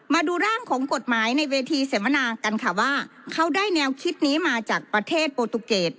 มาดูร่างของกฎหมายในเวทีเสมนากันค่ะว่าเขาได้แนวคิดนี้มาจากประเทศโปรตุเกต